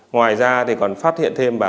ngoài ra còn phát hiện thêm